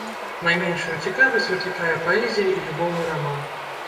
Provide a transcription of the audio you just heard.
Найменшую цікавасць выклікае паэзія і любоўны раман.